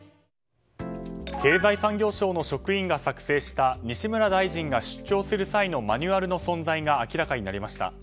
経済産業省の職員が作成した西村大臣が出張する際のマニュアルの存在が明らかになりました。